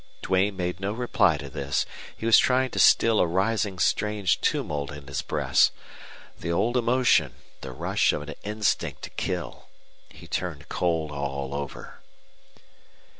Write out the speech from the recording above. Duane made no reply to this. He was trying to still a rising strange tumult in his breast. The old emotion the rush of an instinct to kill! He turned cold all over.